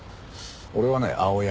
俺はね青柳。